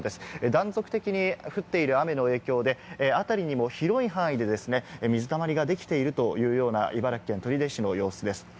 断続的に降っている雨の影響で、辺りにも広い範囲で水たまりができているというような茨城県取手市の様子です。